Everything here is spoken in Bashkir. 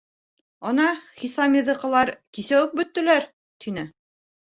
Ана Хисамиҙыҡылар кисә үк бөттөләр, — тине.